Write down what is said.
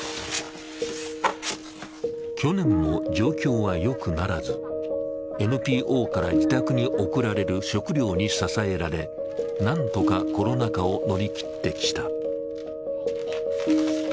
去年も状況はよくならなず、ＮＰＯから自宅に送られる食料に支えられ、何とかコロナ禍を乗り切ってきた。